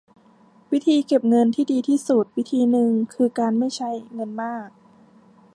วิธีเก็บเงินที่ดีที่สุดวิธีนึงคือการไม่ใช่เงินมาก